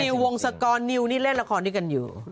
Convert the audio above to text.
น้องนิววงสกรนิวนี่เล่นละครด้วยกันอยู่